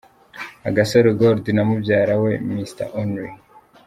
Agasaro Gold na mubyara we Mr Only.